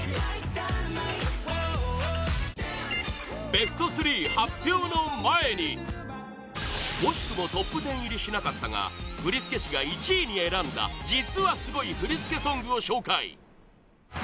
ベスト３発表の前に惜しくもトップ１０入りしなかったが振付師が１位に選んだ実は凄い振り付けソングを紹介